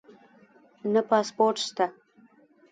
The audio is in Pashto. نه پاسپورټ شته